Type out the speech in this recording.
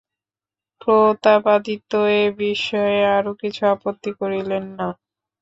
প্রতাপাদিত্য এ-বিষয়ে আর কিছু আপত্তি করিলেন না।